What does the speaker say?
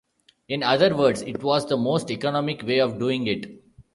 In other words, it was the most economic way of doing it.